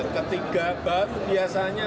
ketiga baru biasanya